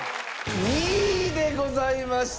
２位でございました。